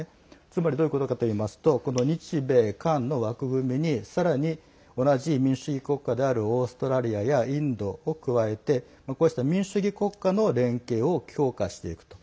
つまりどういうことかといいますとこの日米韓の枠組みにさらに同じ民主主義国家であるオーストラリアやインドを加えてこうした民主主義国家の連携を強化していくと。